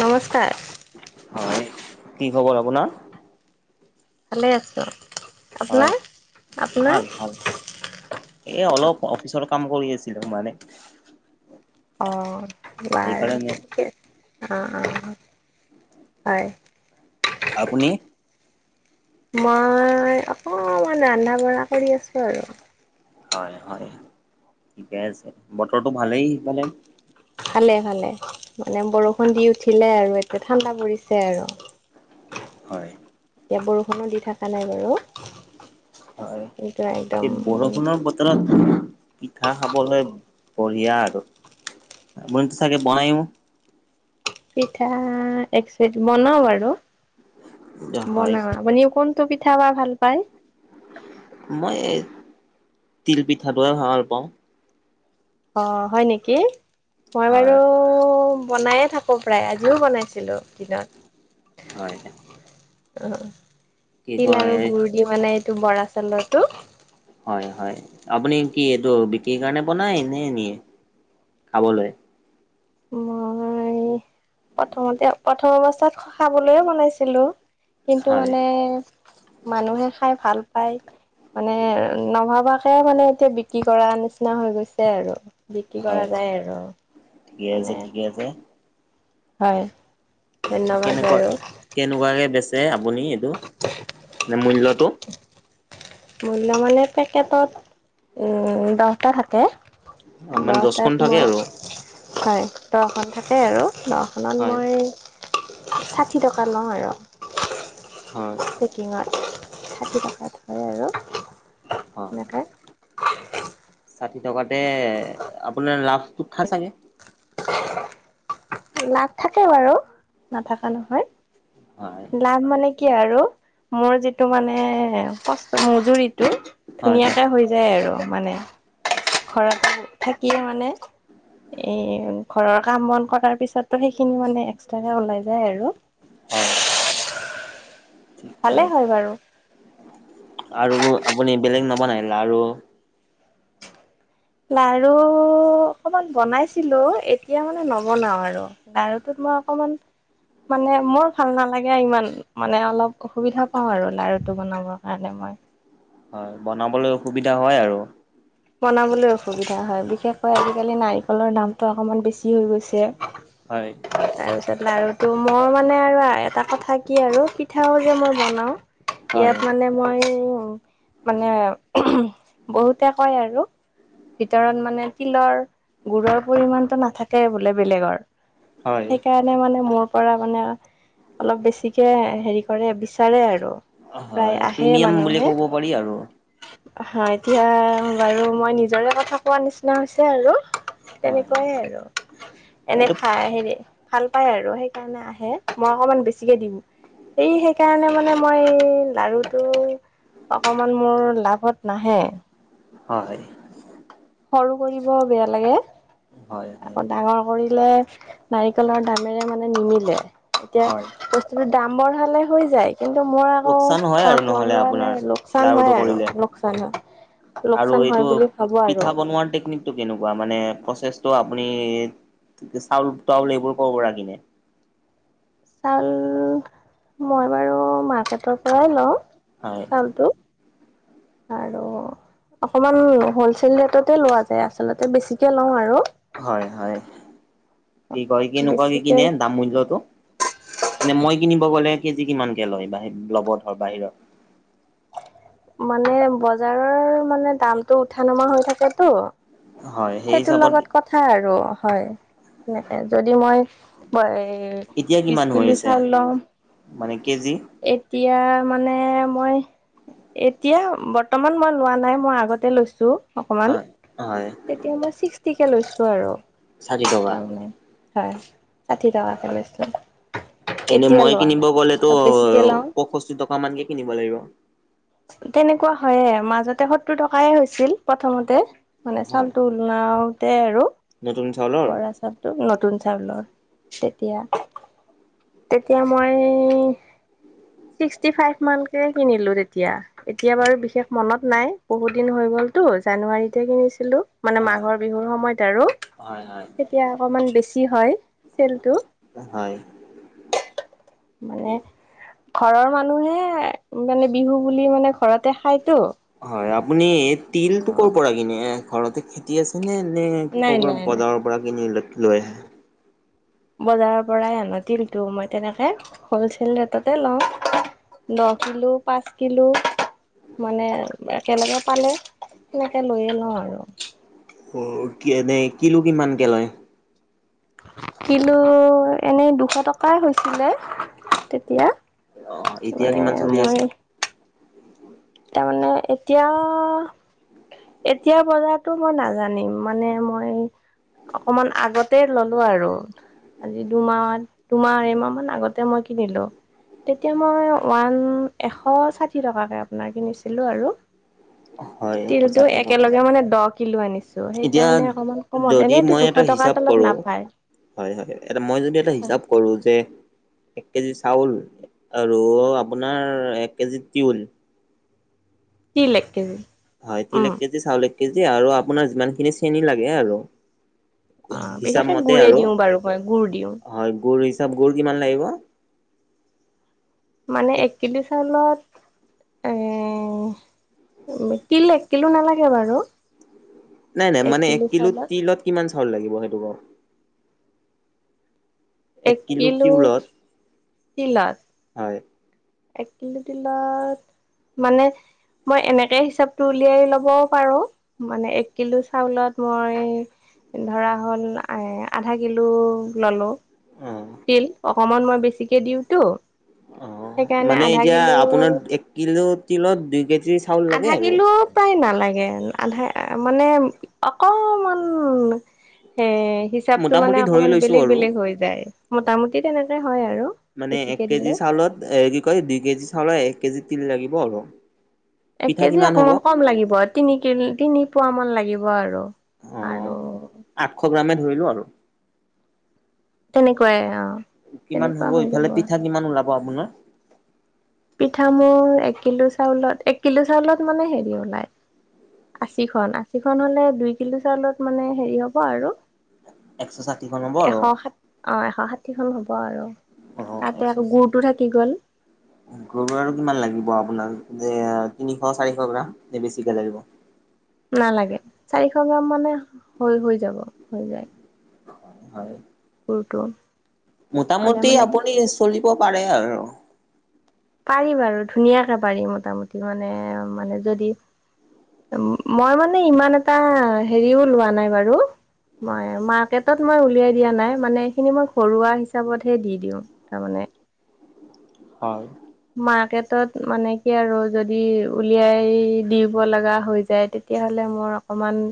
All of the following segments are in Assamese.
নমস্কাৰ। হয় কি খবৰ আপোনাৰ? ভালে আছোঁ হয় আপোনাৰ- আপোনাৰ? এ অলপ অফিচৰ কাম কৰি আছিলোঁ মানে। অ, বাৰু সেইকাৰণে ঠিকে আ', আ', আ', হয়। আপুনি? মই অকমান ৰান্ধা -বঢ়া কৰি আছোঁ আৰু। হয়-হয় ঠিকে আছে বতৰটো ভালেই সিফালে? ভালে- ভালে মানে বৰষুণ দি উঠিলে আৰু এয়া ঠাণ্ডা পৰিছে আৰু। হয়। এতিয়া বৰষুণো দি থাকা নাই বাৰু। হয় কিন্তু একদম এই বৰষুণৰ বত তৰত পিঠা খাবলৈ বঢ়িয়া আৰু। আপুনিটো চাগে বনাইয়ো? পিঠা এগ চেক বনাওঁ বাৰু হয় বনাওঁৱা আপুনি কোন? ত'পিঠা বা ভাল পায়। মই এ তিল পিঠাটোহে ভাল পাওঁ। অ, হয় নেকি মই বাৰু হয় বনায়ে থাক কো প্ৰায় আজিও বনাইছিলোঁ দিনত। হয়। অ', অ', কি তিল আৰু কয় গুুৰ দি মানে এইটো বৰা চাউলৰটো। হয়- হয় আপুনি কি এইটো বিক্ৰীৰ কাৰণে বনায় নে নিয়ে? খাবলৈ? মই প্ৰথমতে প্ৰথম অৱস্থাত খাবলৈয়ে বনাইছিলো। কিন্তু হয় মানে মানুহে খাই ভাল পায়। মানে নভাবাকে মানে এতিয়া বিক্ৰী কৰা নিচিনা হৈ গৈছে আৰু। বিক্ৰী হয় কৰা হয় যায় আৰু। ঠিকে মানে আছে- ঠিকে আছে। হয়। ধন্যবাদ কেনেকুৱা বাৰু - কেনেকুৱাকে বেচে আপুনি এইটো মানে মূল্যয়টো। মূল্য মানে পেকেটত উম, দহটা থাকে। মানে দহটাত দছখন থাকে মই। আৰু হয় দখন থাকে আৰু দখনত হয় মই ছাঠি টকা লওঁ আৰু। হয়। কিমান ছাঠি টকাই ধৰে আৰু এনেকাই। ছাঠি টকাতে আপোনাৰ লাভটো খাই চাগে? লাভ থাকে বাৰু নাথাকা নহয়। হয়। লাভ মানে কি আৰু মোৰ যিটো মানে ক মজুৰিতটো হয় ধুনীয়া হয় এটা হৈ যায় আৰু মানে। ঘৰতৰত থাকিয়ে মানে। এ ঘৰৰ কাম বন কৰাৰ পিছতটো সেইখিনি মানে এক্সট্ৰাকে ওলাই যায় আৰু। হয়-হয় ঠিকে ভালে আছে। বাৰু আৰু আপুনি বেলেগ নবনাই লাডু লাডু অকমান বনাইছিলো এতিয়া মানে নবনাও আৰু। লাৰুটোত মই অকনমান মানে মোৰ ভাল নালাগে ইমান। মানে অলপ অসুবিধা পাও আৰু লাৰুটো বনাবৰ কাৰণে মই। হয় বনাবলৈ অসুবিধা হয় আৰু। বনাবলৈ অসুবিধা হয় বিশেষকৈ আজিকালি নাৰিকলৰ দামটো অকমান বেছি হৈ গৈছে। হয়। তাৰ পিছত লডাৰুটো মোৰ মানে আৰু এটা কথা কি আৰু পিঠাও যে মই বনাও হয় ইয়াত মানে মই মানে বহুতে কয় আৰু ভিতৰত মানে তিলৰ গুৰৰ পৰিমণটো নাথাকে বোলে বেলেগৰ। হয় সেইকাৰণ নে মানে মোৰ পৰা মানে অলপ বেছিকে হেৰি কৰে বিচাৰে আৰু। প্ৰায় হয় প্ৰিমিয়াম বুলি ক'ব পাৰি আৰু। হয় এতিয়া বাৰু মই নিজৰে কথা কোৱা নিচিনা হৈছে আৰু। হয় তেনেকুৱাইে আৰু। এনে এইটো খাই হেৰি ভাল পাই আৰু সেইকাৰণে আহে মই অকনমান বেছিকে দিম। এই সেইকাৰণে মানে মই লাডুটো অকমান মোৰ লাভত নাহে। অ, হয়। সৰু কৰিব বেয়া লাগে হয় হয় আকৌ ডাঙৰ কৰিলে নাৰিকলৰ দামেৰে মানে নিমিলে এতিয়া হয় বস্তুটো দাম বঢ়ালে হৈ যায়। কিন্তু মোৰ লোকচান আকৌ হয় আৰু কাম নহ'লে কৰোৱা আপোনাৰ নাই লোকচান লাৰুটো হয় আৰু কৰিলে লোকচান হয়। লোকচান হয় বুলি ভাবো আৰু। টো কেনেকুৱা মানে প্ৰচেছ ত আপুনি চাউল তাউল এইবোৰ ক পৰা কিনে? চাউল মই বাৰু মাৰ্কেটৰ পৰাই লও। হয়। কিটো আৰু অকমান হলচেল ৰেটতে লোৱা যায় আচলতে বেছিকে লও আৰু। হয়-হয় কি কয় কেনেকুৱা কি বেছিকে কিনে দাম মূল্যটো। এনে মই কিনিব গ'লে কেজি কিমানকে লয় বাহ লব ধৰ বাহিৰত। মানে বজাৰৰ মানে দামতটো উঠা নমা হৈ থাকে তো। হয়, সেই সেইটোৰ হিচাপত লগত কথা আৰু হয়নেকে যদি মই এ এতিয়া বিছ কিমান হৈ কিলো আছে চাল ল‌ও। মানে কেজি? এতিয়া মানে মই', এতিয়া বৰ্তমান মই লোৱা নাই, মই আগতে লৈছোঁ', অকমান, হয়, হয়, তেতিয়া মই চিক্সটিকে লৈছোঁ আৰু ষাঠি ঠাং', টকা। তাৰমানে', হয়', ষাঠি টকাকৈ লৈছোঁ', এনে মই কিনিব গলেতো বেছিকে লওঁ পয়ষষ্ঠি টকা মানকে কিনিব লাগিব। তেনেকুৱা হয়ে মাজতে সত্তৰ টকাইে হৈছিল প্ৰথমতে মানে হয়, চাউলটো লাওতে আৰু নতুন চাউলৰ? বৰা চাউল। নতুন চাউলৰ তেতিয়া। তেতিয়া মই ছিক্সটি ফাইভ মানকে কিনিলো এতিয়া, এতিয়া বাৰু বিশেষ মনত নাই, বহুত দিন হৈ গলতো জানুৱাৰীতেহে কিনিছিলোঁ', মানে, হয়, মাঘৰ বিহুৰ সময়ত আৰু হয়, হয়, তেতিয়া অকমান বেছি হয়', তিলটো', হয়। ঠিং', - টাং', মানে ঘৰৰ মানুহে মানে', বিহু বুলি মানে ঘৰতে খাইতো', হয়', আপুনি এই অ তিলটো কৰ পৰা কিনে এ', ঘৰতে খেতি', খেতি আছেনে এনেই নাই কবা নাই নাই বজাৰৰ পৰা কিনি লৈ', - লৈ আহে', বজাৰৰ পৰাই আনো তিলটো, মই তেনেকে হলচেল ৰেটতে লওঁ', ন কিলো পাঁচ কিলো ঠিং', -ঠিং', -ঠিং', মানে একেলগে পালে সেনেকে লৈয়ে লওঁ আৰু', অঁও', এনেই কিলো কিমানকে লয়? কিলো এনেই দুশ টকাই হৈছিলে তেতিয়া', অহ', এতিয়া মানে কিমান চলি মই আছে', তাৰমানে এতিয়া', এতিয়া বজাৰতো মই নাজানিম, মানে মই', অকমান আগতে ললোঁ আৰু', আজি দুমাহত, দুমাহ আঢ়াইমাহ মান আগতে মই কিনিলোঁ', তেতিয়া মই ওৱান, এশ ষাঠি টকাকে আপোনাৰ কিনিছিলোঁ আৰু', হয় এশ তিলটো ষাঠি টকা একেলগে মানে দহ কিলো আনিছোঁ এতিয়া সেইকাৰণে অকমান', কমত', যদি এনেইটো মই দুশ এটা টকাৰ হিচাপ তলত কৰো নাপায়', হয়', - হয়', এটা মই যদি এটা হিচাপ কৰোঁ যে', এক কেজি চাউল আৰু আপোনাৰ এক কেজি তিউল', তিল এক কেজি', হয়', তিল উম এক কেজি, চাউল এক কেজি আৰু আপোনাৰ যিমানখিনি চেনি লাগে আৰু', অহ', হিচাপ বিশেষকে মতে গুড়ে আৰু দিওঁ বাৰু মই গুড় দিওঁ', হয়', গুৰ হিচাপ, গুৰ কিমান লাগিব? মানে এক কিলো চাউলত? উমমমম', তিল এক কিলো নালাগে বাৰু', নাই', - নাই', মানে এক কিলো তিলত কিমান চাউল লাগিব, সেইটোক', এক কিলো তিলাচ', হয়', এক কিলো তিলত, মানে', মই এনেকে হিচাপটো উলিয়াই লবও পাৰোঁ', মানে এক কিলো চাউলত মই এই', ধৰা হ'ল এই', আধা কিলো ললোঁ', অ'। তিল, অকমান মই বেছিকে দিওঁতো', অহহ', সেইকাৰণে মানে আধা এতিয়া কিলো আপোনাৰ দ', এক কিলো তিলত দুই কেজি চাউ', আধা কিলো', পাই নালাগে, আধা মানে অকমান', হে', হিচাপটো মানে মোটামুটি ধৰি অকমান লৈছোঁ বেলেগ আৰু। বেলেগ হৈ যায়, মোটামুটি তেনেকে হয় আৰু', মানে এক বেছিকে কেজি দিলে চাউলত, এ', কি কয় দুই কেজি চাউলৰ এক কেজি তিল লাগিব আৰু', এক পিঠা কেজি কিমান হ'ব? অকণমান কম লাগিব, তিনি কে তিনি পুৱা মান লাগিব আৰু। অ'। আৰু আঠশ গ্ৰামে ধৰিলো আৰু তেনেকুৱাই অ কিমান তেনেকুৱা হ'ব হৈ যাব ইফালে পিঠা আৰু কিমান ওলাব আপোনাৰ? পিঠা মোৰ, এক কিলো চাউলত এক কিলো চাউলত মানে হেৰি ওলায়', আশীখন', - আশীখন', হ'লে দুই কিলো চাউলত মানে হেৰি হ'ব আৰু', একশ ষাঠিখন হোম', এশ ষাঠ অ', এশ ষাঠিখন হ'ব আৰু', তাতে আকৌ গুৰটো থাকি গ'ল, [unintelligible] গব আৰু কিমান লাগিব আপোনাৰ, যে তিনিশ চাৰিশ গ্ৰাম নে বেছিকে লাগিব? নালাগে চাৰিশ গ্ৰাম মানে হৈ হৈ যাব হৈ যায়। হয়। গুৰটো। হ'লে মোটামুটি মানে আপুনি চলিব পাৰে আৰু। পাৰি ব আৰু ধুনীয়াকে পাৰি। মোটামুটি মানে মানে যদি মই মানে ইমান এটা হেৰিও লোৱা নাই বাৰু। মই মাৰ্কেটত মই উলিয়াই দিয়া নাই, মানে এইখিনি মই ঘৰুৱা হিচাপতহে দি দিওঁ তাৰ মানে। হয়। মাৰ্কেটত মানে কি আৰু যদি উলিয়াই দিব লগা হৈ যায় তেতিয়াহ'লে মোৰ অকমান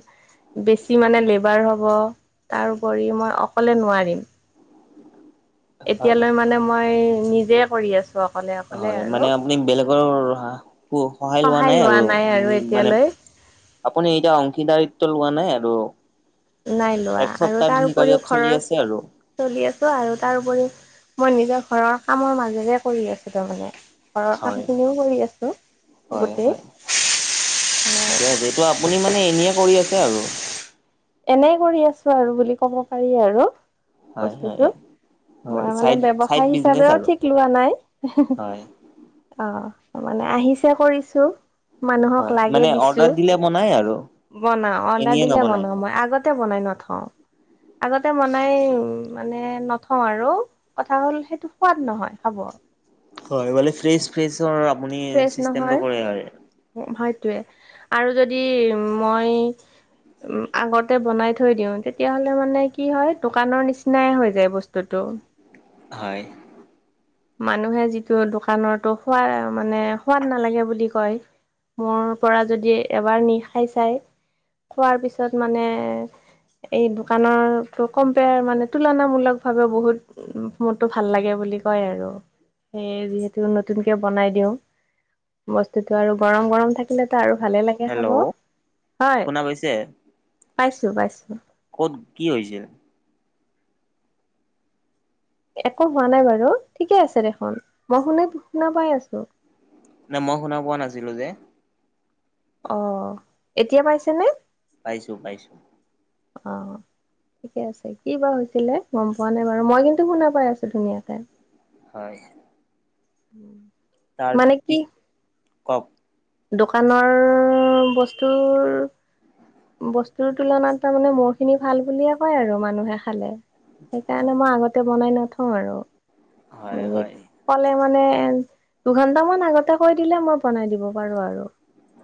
বেছি মানে লেবাৰ হ'ব, তাৰোপৰি মই অকলে নোৱাৰিম। হয়। এতিয়ালৈ মানে মই নিজে কৰি আছো। হয় মানে আপুনি বেলেগৰ সাহ সহায় লোৱা নাই আৰু মানে আপুনি এতিয়া অংশীদাৰিত্ব লোৱা নাই আৰু নাই লোৱা এক আৰু তাৰ উপৰিও স্বত্বাধিকাৰীত চলি ঘৰৰ আছে আৰু। চলি আছো আৰু তাৰউপৰি মই নিজৰ ঘৰৰ কামৰ মাজেৰে কৰি আছো তাৰমানে। ঘৰৰ কাম হয়, খিনিও কৰি আছো হয়, গোটেই। হয়, ঠিকে আছে এইটো আপুনি মানে এনেয়ে কৰি আছে আৰু। এনে কৰি আছো আৰু বুলি ক'ব পাৰি আৰু। হয় বস্তুটো হয় মই হয়, মানে চাইড চাইড ব্যৱসায় বিজনেচ হিচাপেও আৰু ঠিক লোৱা নাই হে হে। হয়। অ মানে আহিছে কৰিছো। মানুহক হয়, লাগে মানে দিছো, অৰ্ডাৰ দিলে বনাই আৰু বনাও অৰ্ডাৰ এনেয়ে দিলে নবনাই। বনাও মই আগতে বনাই নথওঁ। আগতে বনাই মানে নথওঁ আৰু কথা হ'ল সেইটো সোৱাদ নহয় খাব। হয় ফ্ৰেচ ফ্ৰেচৰ আপুনি চিচটেমটো কৰে ইয়াৰে। হয়তোৱে আৰু যদি মই উম, আগতে বনাই থৈ দিওঁ, তেতিয়া হ'লে মানে কি হয় দোকানৰ নিচিনাই হৈ যায় বচ টোতু। হয়। মানুহে যিটো দোকানৰতো খুৱাই মানে সোৱাদ নালাগে বুলি কয়, মোৰ পৰা যদি এবাৰ নি খাই চাই খোৱাৰ পিছত মানে এই দোকানৰটো কম্পেয়াৰ মানে তুলনামূলক ভাৱে বহুত উম, মোৰটো ভাল লাগে বুলি কয় আৰু, সেইয়ে যিহেতু নতুনকে বনাই দিওঁ, বস্তুটো আৰু গৰম-গৰম থাকিলেতো আৰু ভালে লাগ কে খাব, হেল্ল' হয় শুনা পাইছে? পাইছোঁ- পাইছোঁ। ক'ত কি হৈছে? একো হোৱা নাই বাৰু, ঠিকে আছে দেখোন মই শুনা - শুনা পাই আছো। নাই, মই শুনা পোৱা নাছিলো যে। অ, এতিয়া পাইছে নে? পাইছো-পাইছো। অ'। ঠিকে আছে, কি বা হৈছিলে গম পোৱা নে বাৰু? মই কিন্তু শুনা পাই আছো ধুনীয়াকে। হয়। উম। তাৰ পিছ, কওঁক? দোকানৰ বস্তুৰ বস্তুৰ তুলনাত তাৰমানে মোৰ খিনি ভাল বুলিয়ে কয় আৰু মানুহে খালে। হয় সেইকাৰণে মই আগতে বনাই নথও আৰু। হয় হয় ক'লে মানে দুঘন্টা মান আগতে কৈ দিলে মই বনাই দিব পাৰো আৰু।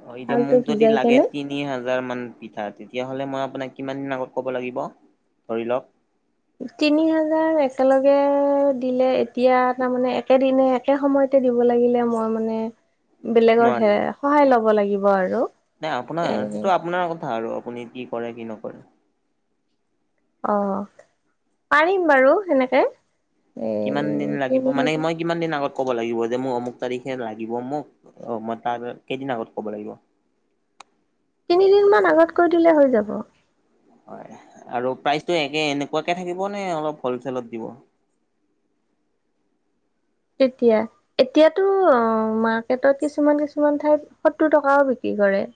অ, এতিয়া চাউলটো মোক যদি ভিজাই লাগে কেনে তি তিনি হাজাৰ মান পিঠা, তেতিয়াহ'লে মই আপোনাক কিমান দিন আগত ক'ব লাগিব ধৰি লওক। তিনি হাজাৰ একেলগে দিলে এতিয়া তাৰমানে একেদিনে সেই সময়তে দিব লাগিলে মই মানে বেলেগৰ সেই নোৱাৰিলো সহায় ল'ব লাগিব আৰু। নাই আপোনাৰ, এ সেইটো আপোনাৰ কথা আৰু আপুনি কি কৰে কি নকৰে। অ, পাৰিম বাৰু সেনেকে কিমান দিন এ লাগিব তিনি মানে হাজাৰ মই কিমান দিন আগত ক'ব লাগিব যে মোক অমুক তাৰিখে লাগিব মোক অ, মই তাৰ কেইদিন আগত ক'ব লাগিব। তিনিদিন মান আগত কৈ দিলে হৈ যাব। হয় আৰু প্ৰাইচটো একে এনেকুৱাকে থাকিব নে অলপ হ'লচেলত দিব। তেতিয়া এতিয়াতো অ, মাৰ্কেটত কিছুমান- কিছুমান ঠাইত সত্তৰ টকাও বিক্ৰী কৰে।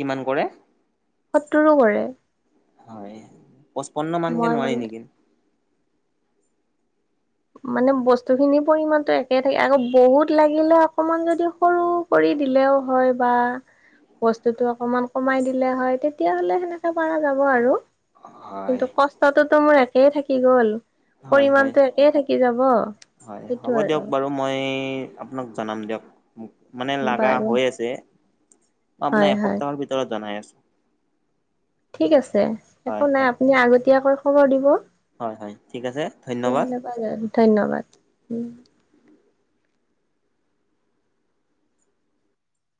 কিমান কৰে। সত্তৰো কৰে। হয়, পঁচপন্ন মানকে মই নোৱাৰি মানে নেকি। মানে বস্তু খিনি পৰিমানটো একে থাকে আকৌ বহুত লাগিলে অকমান যদি সৰু কৰি দিলেও হয় বা বস্তুটো অকণমান কমাই দিলে হয় তেতিয়াহ'লে সেনেকে পৰা যাব আৰু। হয়। কিন্তু কষ্টটোতো মোৰ একেই থাকি গ'ল। হয়- হয়। পৰিমাণটো একেই থাকি যাব, হয় সেইটো হ'ব আৰু। দিয়ক বাৰু মই আপোনাক জনাম দিয়ক, মানে লাগা বাৰু হৈ আছে। মই আপোনাক হয় হয় এসপ্তাহৰ ভিতৰত জনাই আছো। ঠিক আছে একো হয় নাই হয়। আপুনি আগতীয়াকৈ খবৰ দিব। হয় - হয় ঠিক আছে ধন্যবাদ। তেতিয়াহ'লে ধন্যবাদ উম,